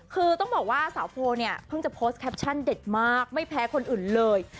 คือต้องบอกว่าสาวโพลเนี่ยเพิ่งจะโพสต์แคปชั่นเด็ดมากไม่แพ้คนอื่นเลย